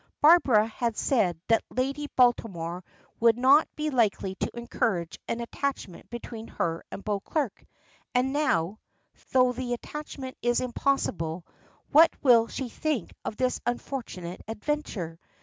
Barbara had said that Lady Baltimore would not be likely to encourage an attachment between her and Beauclerk, and now, though the attachment is impossible, what will she think of this unfortunate adventure?